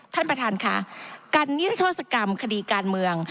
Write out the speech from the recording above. ท่านประธานค่ะการนิรโทษกรรมคดีการเมือง